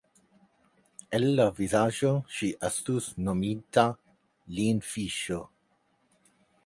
El la vizaĝo ŝi estus nominta lin fiŝo.